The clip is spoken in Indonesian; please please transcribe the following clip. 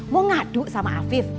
mau ngaduk sama afif